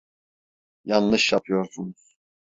Yanlış yapıyorsunuz.